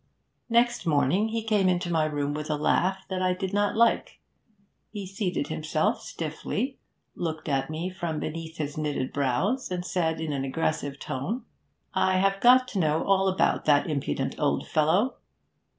Next morning he came into my room with a laugh that I did not like; he seated himself stiffly, looked at me from beneath his knitted brows, and said in an aggressive tone: 'I have got to know all about that impudent old fellow.'